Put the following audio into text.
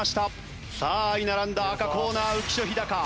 さあ相並んだ赤コーナー浮所飛貴。